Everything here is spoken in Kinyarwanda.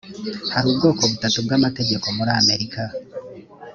hari ubwoko butatu bw amategeko muri amerika